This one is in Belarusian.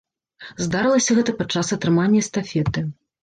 Здарылася гэта падчас атрымання эстафеты.